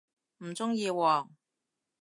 唔鍾意喎